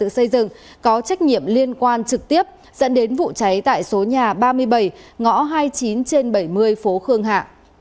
xây dựng có trách nhiệm liên quan trực tiếp dẫn đến vụ cháy tại số nhà ba mươi bảy ngõ hai mươi chín trên bảy mươi phố khương hạ